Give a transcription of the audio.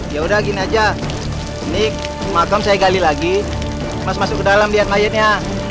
yaudah gini aja ini makam saya gali lagi mas masuk ke dalam lihat mayatnya